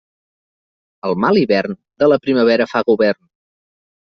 El mal hivern, de la primavera fa govern.